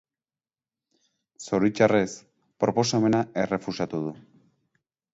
Zoritxarrez, proposamena errefusatu du.